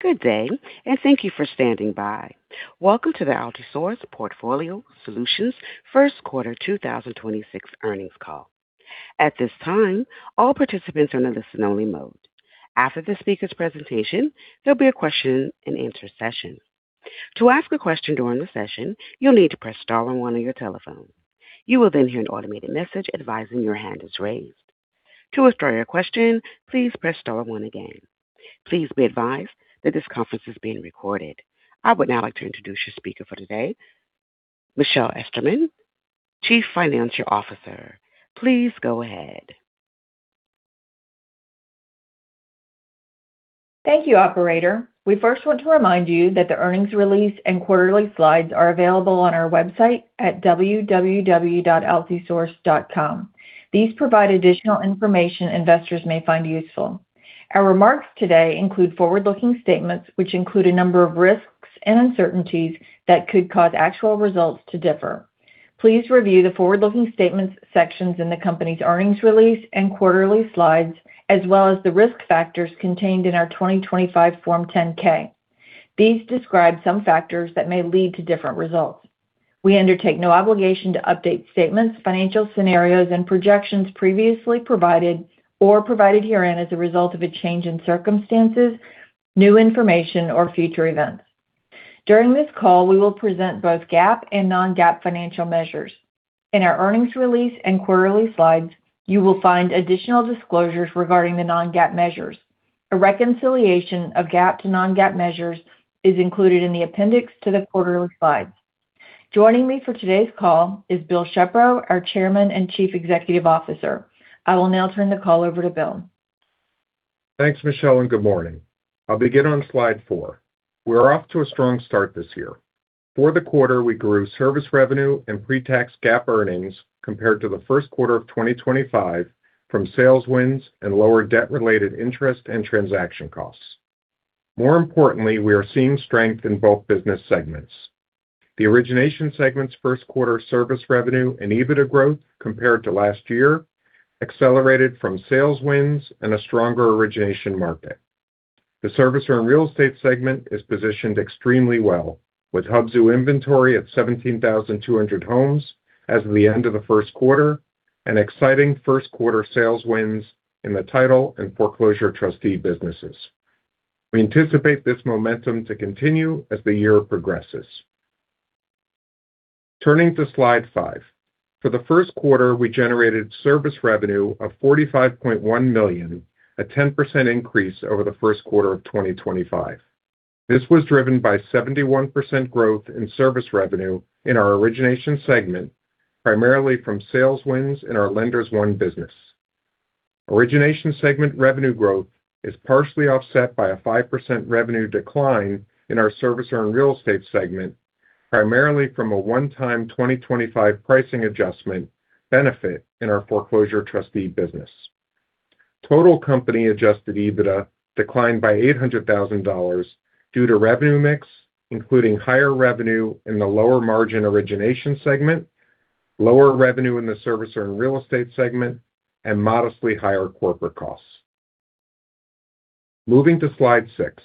Good day, and thank you for standing by. Welcome to the Altisource Portfolio Solutions first quarter 2026 earnings call. At this time, all participants are in a listen only mode. After the speaker's presentation, there'll be a question and answer session. To ask a question during the session, you'll need to press star and one on your telephone. You will then hear an automated message advising your hand is raised. To withdraw your question, please press star one again. Please be advised that this conference is being recorded. I would now like to introduce your speaker for today, Michelle Esterman, Chief Financial Officer. Please go ahead. Thank you, operator. We first want to remind you that the earnings release and quarterly slides are available on our website at www.altisource.com. These provide additional information investors may find useful. Our remarks today include forward-looking statements, which include a number of risks and uncertainties that could cause actual results to differ. Please review the forward-looking statements sections in the company's earnings release and quarterly slides, as well as the risk factors contained in our 2025 Form 10-K. These describe some factors that may lead to different results. We undertake no obligation to update statements, financial scenarios, and projections previously provided or provided herein as a result of a change in circumstances, new information, or future events. During this call, we will present both GAAP and non-GAAP financial measures. In our earnings release and quarterly slides, you will find additional disclosures regarding the non-GAAP measures. A reconciliation of GAAP to non-GAAP measures is included in the appendix to the quarterly slides. Joining me for today's call is Bill Shepro, our Chairman and Chief Executive Officer. I will now turn the call over to Bill. Thanks, Michelle Esterman, and good morning. I'll begin on slide four. We're off to a strong start this year. For the quarter, we grew service revenue and pre-tax GAAP earnings compared to the first quarter of 2025 from sales wins and lower debt-related interest and transaction costs. More importantly, we are seeing strength in both business segments. The origination segment's first quarter service revenue and EBITDA growth compared to last year accelerated from sales wins and a stronger origination market. The servicer and real estate segment is positioned extremely well, with Hubzu inventory at 17,200 homes as of the end of the first quarter and exciting first quarter sales wins in the title and foreclosure trustee businesses. We anticipate this momentum to continue as the year progresses. Turning to slide five. For the first quarter, we generated service revenue of $45.1 million, a 10% increase over the first quarter of 2025. This was driven by 71% growth in service revenue in our Origination segment, primarily from sales wins in our Lenders One business. Origination segment revenue growth is partially offset by a 5% revenue decline in our Servicer and Real Estate segment, primarily from a one-time 2025 pricing adjustment benefit in our foreclosure trustee business. Total company adjusted EBITDA declined by $800,000 due to revenue mix, including higher revenue in the lower margin Origination segment, lower revenue in the Servicer and Real Estate segment, and modestly higher corporate costs. Moving to slide six.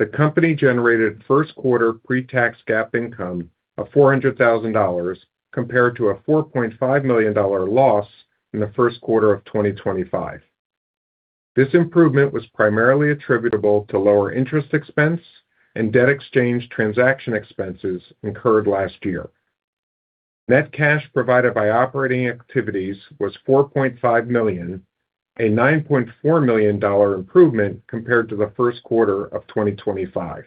The company generated first quarter pre-tax GAAP income of $400,000 compared to a $4.5 million loss in the first quarter of 2025. This improvement was primarily attributable to lower interest expense and debt exchange transaction expenses incurred last year. Net cash provided by operating activities was $4.5 million, a $9.4 million improvement compared to the first quarter of 2025.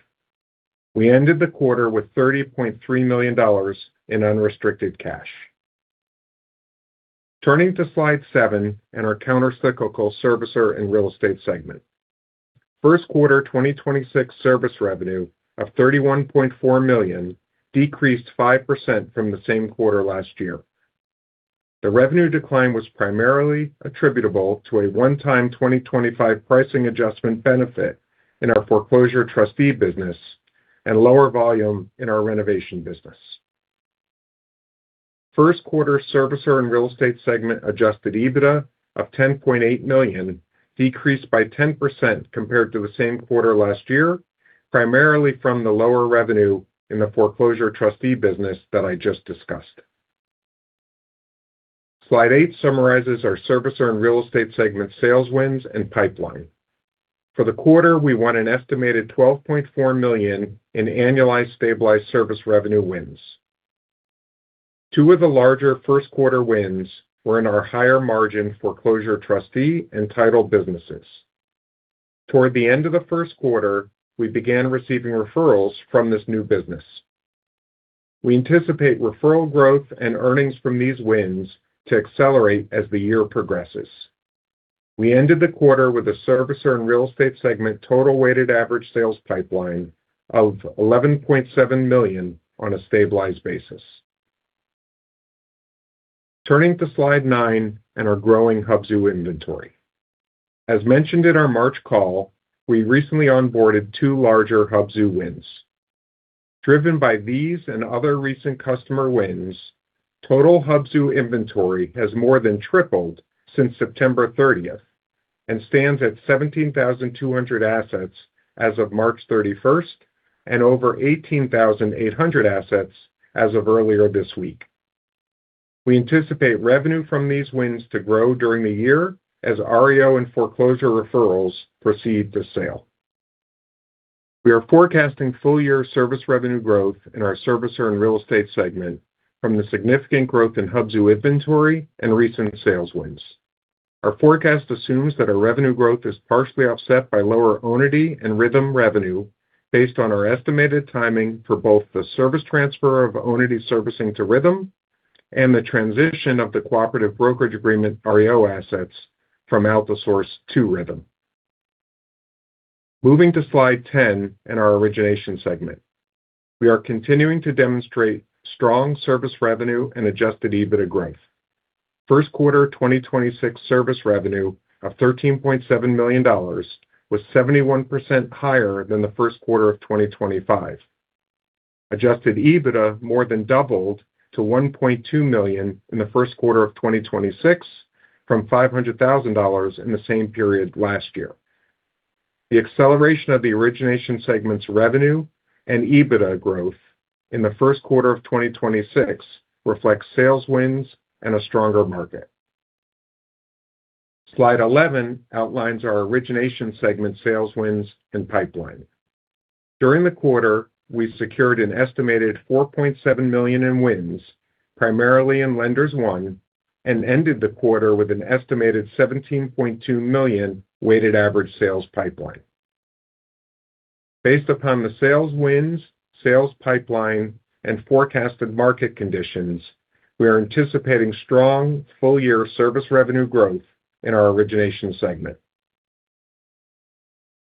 We ended the quarter with $30.3 million in unrestricted cash. Turning to slide seven and our counter-cyclical servicer and real estate segment. First quarter 2026 service revenue of $31.4 million decreased 5% from the same quarter last year. The revenue decline was primarily attributable to a one-time 2025 pricing adjustment benefit in our foreclosure trustee business and lower volume in our renovation business. First quarter servicer and real estate segment adjusted EBITDA of $10.8 million decreased by 10% compared to the same quarter last year, primarily from the lower revenue in the foreclosure trustee business that I just discussed. Slide eight summarizes our servicer and real estate segment sales wins and pipeline. For the quarter, we won an estimated $12.4 million in annualized stabilized service revenue wins. Two of the larger first quarter wins were in our higher margin foreclosure trustee and title businesses. Toward the end of the first quarter, we began receiving referrals from this new business. We anticipate referral growth and earnings from these wins to accelerate as the year progresses. We ended the quarter with a servicer and real estate segment total weighted average sales pipeline of $11.7 million on a stabilized basis. Turning to slide nine and our growing Hubzu inventory. As mentioned in our March call, we recently onboarded two larger Hubzu wins. Driven by these and other recent customer wins, total Hubzu inventory has more than tripled since September 30th and stands at 17,200 assets as of March 31st and over 18,800 assets as of earlier this week. We anticipate revenue from these wins to grow during the year as REO and foreclosure referrals proceed to sale. We are forecasting full-year service revenue growth in our servicer and real estate segment from the significant growth in Hubzu inventory and recent sales wins. Our forecast assumes that our revenue growth is partially offset by lower Onity and Rithm revenue based on our estimated timing for both the service transfer of nity servicing to Rithm and the transition of the cooperative brokerage agreement REO assets from Altisource to Rithm. Moving to slide 10 in our origination segment. We are continuing to demonstrate strong service revenue and adjusted EBITDA growth. First quarter 2026 service revenue of $13.7 million was 71% higher than the first quarter of 2025. Adjusted EBITDA more than doubled to $1.2 million in the first quarter of 2026 from $500,000 in the same period last year. The acceleration of the origination segment's revenue and EBITDA growth in the first quarter of 2026 reflects sales wins and a stronger market. Slide 11 outlines our origination segment sales wins and pipeline. During the quarter, we secured an estimated $4.7 million in wins, primarily in Lenders One, and ended the quarter with an estimated $17.2 million weighted average sales pipeline. Based upon the sales wins, sales pipeline, and forecasted market conditions, we are anticipating strong full-year service revenue growth in our origination segment.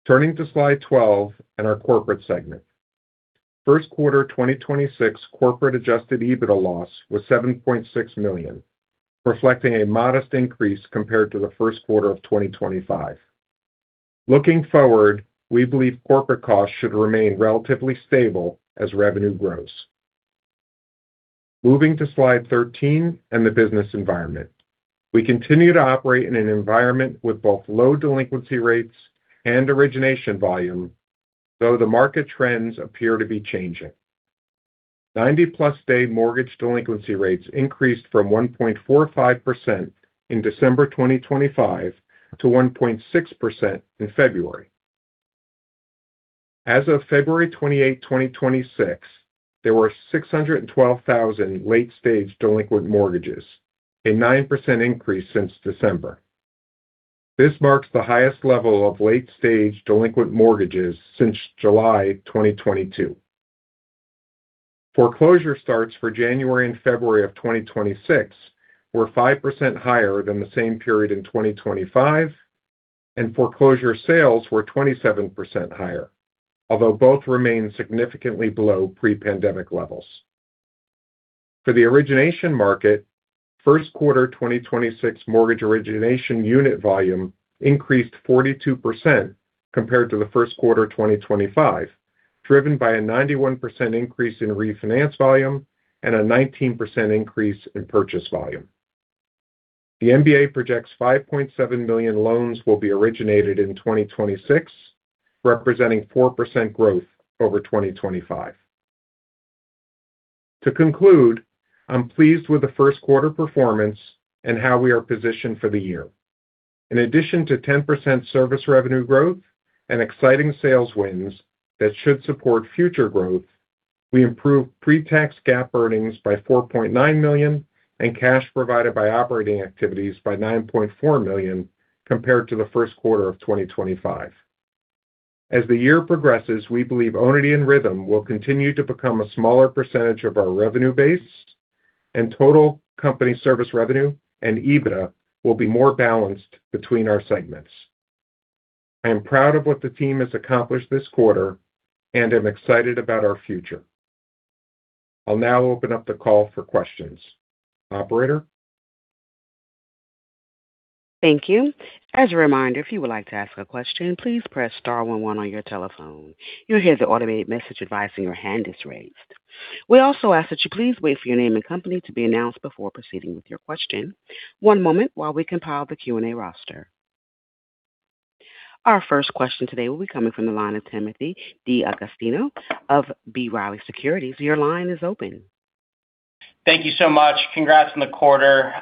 Turning to slide 12 and our corporate segment. First quarter 2026 corporate adjusted EBITDA loss was $7.6 million, reflecting a modest increase compared to the first quarter of 2025. Looking forward, we believe corporate costs should remain relatively stable as revenue grows. Moving to slide 13 and the business environment. We continue to operate in an environment with both low delinquency rates and origination volume, though the market trends appear to be changing. 90+ day mortgage delinquency rates increased from 1.45% in December 2025 to 1.6% in February. As of February 28, 2026, there were 612,000 late-stage delinquent mortgages, a 9% increase since December. This marks the highest level of late-stage delinquent mortgages since July 2022. Foreclosure starts for January and February of 2026 were 5% higher than the same period in 2025, and foreclosure sales were 27% higher, although both remain significantly below pre-pandemic levels. For the origination market, first quarter 2026 mortgage origination unit volume increased 42% compared to the first quarter 2025, driven by a 91% increase in refinance volume and a 19% increase in purchase volume. The MBA projects 5.7 million loans will be originated in 2026, representing 4% growth over 2025. To conclude, I'm pleased with the first quarter performance and how we are positioned for the year. In addition to 10% service revenue growth and exciting sales wins that should support future growth, we improved pre-tax GAAP earnings by $4.9 million and cash provided by operating activities by $9.4 million compared to the first quarter of 2025. As the year progresses, we believe Onity and Rithm will continue to become a smaller percentage of our revenue base, and total company service revenue and EBITDA will be more balanced between our segments. I am proud of what the team has accomplished this quarter and am excited about our future. I'll now open up the call for questions. Operator? Thank you. As a reminder, if you would like to ask a question, please press star one one on your telephone. You'll hear the automated message advising your hand is raised. We also ask that you please wait for your name and company to be announced before proceeding with your question. One moment while we compile the Q&A roster. Our first question today will be coming from the line of Timothy D'Agostino of B. Riley Securities. Your line is open. Thank you so much. Congrats on the quarter.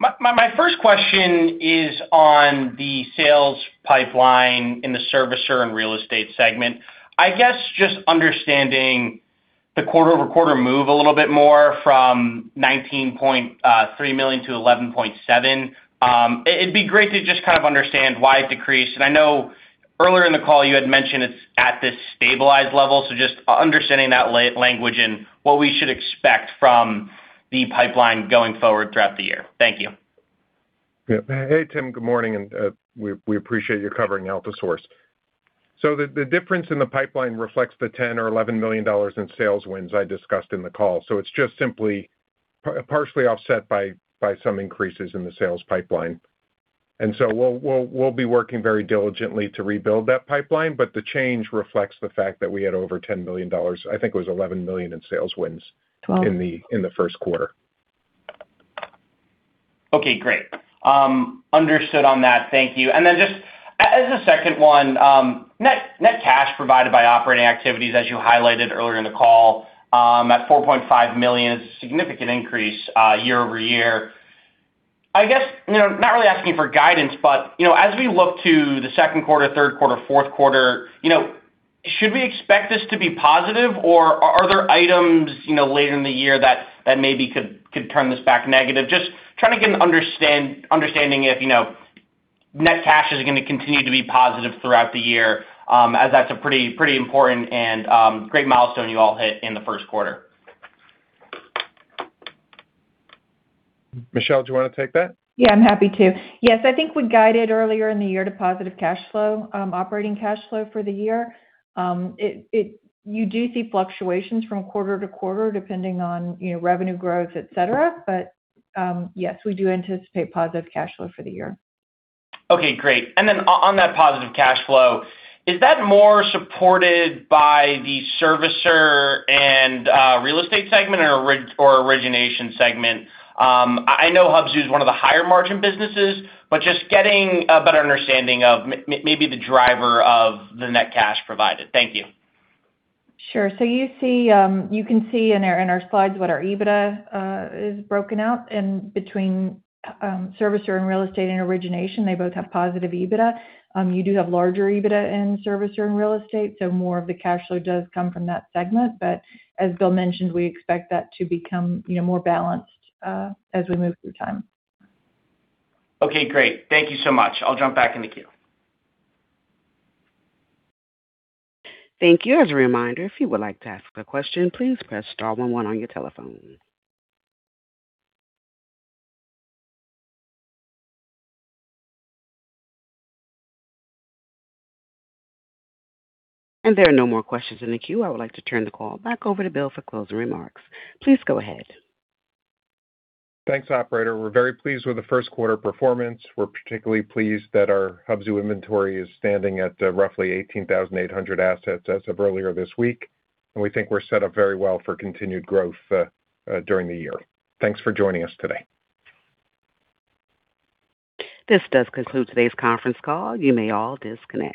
My first question is on the sales pipeline in the Servicer and Real Estate segment. I guess just understanding the quarter-over-quarter move a little bit more from $19.3 million to $11.7 million. It'd be great to just kind of understand why it decreased. I know earlier in the call you had mentioned it's at this stabilized level. Just understanding that language and what we should expect from the pipeline going forward throughout the year. Thank you. Yeah. Hey, Tim. Good morning, and we appreciate you covering Altisource. The difference in the pipeline reflects the $10 or $11 million in sales wins I discussed in the call. It's just simply partially offset by some increases in the sales pipeline. We'll be working very diligently to rebuild that pipeline, but the change reflects the fact that we had over $10 million, I think it was $11 million in sales wins. in the first quarter. Okay, great. Understood on that. Thank you. Just as a second one, net cash provided by operating activities, as you highlighted earlier in the call, at $4.5 million, significant increase year-over-year. I guess, not really asking for guidance, but as we look to the second quarter, third quarter, fourth quarter, should we expect this to be positive or are there items later in the year that maybe could turn this back negative? Just trying to get an understanding if net cash is going to continue to be positive throughout the year, as that's a pretty important and great milestone you all hit in the first quarter. Michelle, do you want to take that? Yeah, I'm happy to. Yes, I think we guided earlier in the year to positive cash flow, operating cash flow for the year. You do see fluctuations from quarter to quarter depending on revenue growth, et cetera. Yes, we do anticipate positive cash flow for the year. Okay, great. On that positive cash flow, is that more supported by the Servicer and Real Estate segment or Origination segment? I know Hubzu is one of the higher margin businesses, but just getting a better understanding of maybe the driver of the net cash provided. Thank you. Sure. You can see in our slides what our EBITDA is broken out between Servicer and Real Estate and Origination. They both have positive EBITDA. You do have larger EBITDA in Servicer and Real Estate, so more of the cash flow does come from that segment. As Bill mentioned, we expect that to become more balanced as we move through time. Okay, great. Thank you so much. I'll jump back in the queue. Thank you. As a reminder, if you would like to ask a question, please press star one one on your telephone. There are no more questions in the queue. I would like to turn the call back over to Bill for closing remarks. Please go ahead. Thanks, operator. We're very pleased with the first quarter performance. We're particularly pleased that our Hubzu inventory is standing at roughly 18,800 assets as of earlier this week, and we think we're set up very well for continued growth during the year. Thanks for joining us today. This does conclude today's conference call. You may all disconnect.